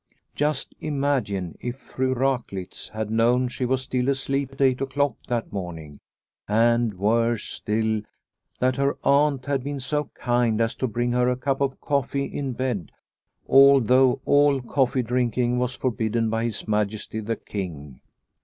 Just imagine if Fru Raklitz had known she was still asleep at eight o'clock that morning, and, worse still, that her aunt had been so kind as to bring her a cup of coffee in bed, although all coffee drinking was forbidden by His Majesty the King.